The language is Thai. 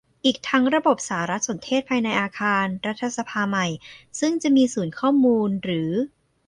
อีกทั้งระบบสารสนเทศภายในอาคารรัฐสภาใหม่ซึ่งจะมีศูนย์ข้อมูลหรือ